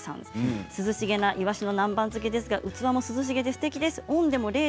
涼しげないわしの南蛮漬けですが器も涼しげでおいしそうです。